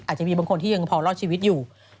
อาจจะมีบางคนที่ยังพอรอดชีวิตอยู่